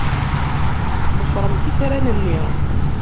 Ḍefremt itran-nni.